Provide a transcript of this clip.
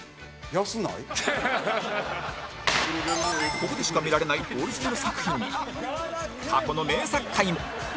ここでしか見られないオリジナル作品に過去の名作回も！